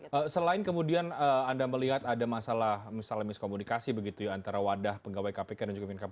oke selain kemudian anda melihat ada masalah misalnya miskomunikasi begitu ya antara wadah pegawai kpk dan juga pimpinan kpk